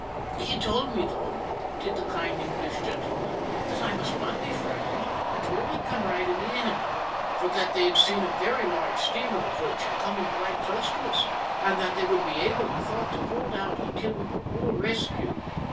"He told me, though, did the kind English gentleman, that I must not be frightened and all would come right in the end, for that they had seen a very large steamer approaching, coming quite close to us, and that they would be able, he thought, to hold out until we were all rescued.